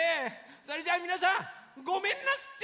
それじゃみなさんごめんなすって！